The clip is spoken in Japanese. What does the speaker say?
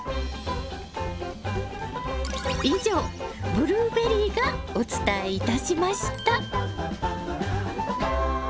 以上ブルーベリーがお伝えいたしました。